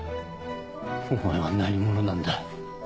お前は何者なんだ？